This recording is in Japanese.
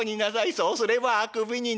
そうすればあくびになる」。